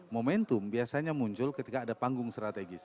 momentum biasanya muncul ketika ada panggung strategis